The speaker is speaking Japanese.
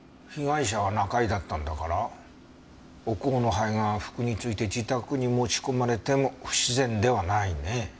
被害者は仲居だったんだからお香の灰が服に付いて自宅に持ち込まれても不自然ではないね。